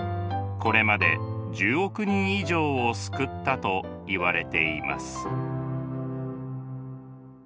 これまで１０億人以上を救ったといわれています。